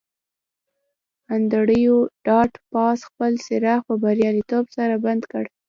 انډریو ډاټ باس خپل څراغ په بریالیتوب سره بند کړ